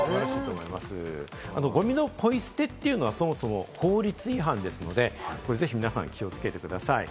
ゴミのポイ捨てというのは、そもそも法律違反ですので、これ、ぜひ皆さん、気をつけてください。